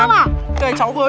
mẹ như thế